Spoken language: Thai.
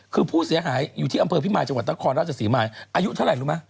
คือผู้เสียหายอยู่ที่อำเภอพิมายจังหวัดนครราชศรีมาอายุเท่าไหร่รู้ไหม